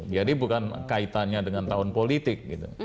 jadi bukan kaitannya dengan tahun politik